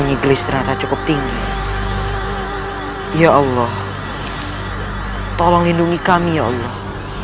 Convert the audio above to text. nyiglis ternyata cukup tinggi ya allah tolong lindungi kami ya allah